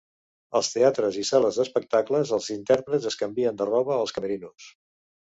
Als teatres i sales d'espectacles, els intèrprets en canvien de roba als camerinos.